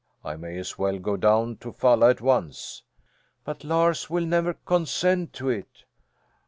I may as well go down to Falla at once." "But Lars will never consent to it."